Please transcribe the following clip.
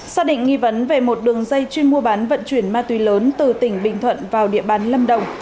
xác định nghi vấn về một đường dây chuyên mua bán vận chuyển ma túy lớn từ tỉnh bình thuận vào địa bàn lâm đồng